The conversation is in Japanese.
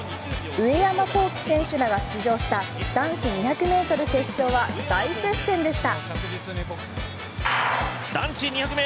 上山紘輝選手らが出場した男子２００ｍ決勝は大接戦でした。